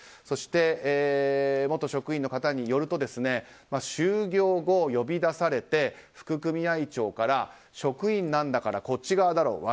そして、元職員の方によると終業後、呼び出されて副組合長から職員なんだからこっち側だろ。